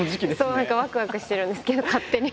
何かワクワクしてるんですけど勝手に。